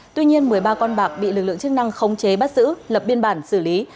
tuy nhiên một mươi ba con bạc bị lực lượng chức năng khống chế bắt giữ lập biên bản xử lý